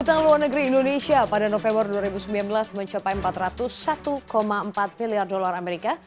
utang luar negeri indonesia pada november dua ribu sembilan belas mencapai empat ratus satu empat miliar dolar amerika